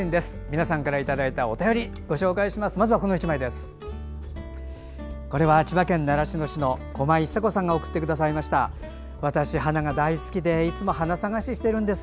皆さんからいただいたお便りご紹介します。